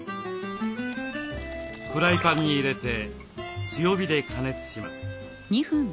フライパンに入れて強火で加熱します。